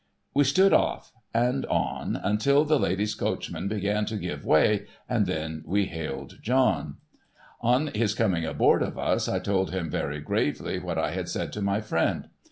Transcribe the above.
We stood off and on until tlic ladies' coachman began to give THE PASSENGERS 121 way, and then we hailed John. On his coming ahoard of us, I told him, very gravely, what I had said to my friend.